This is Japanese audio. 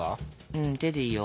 うん手でいいよ。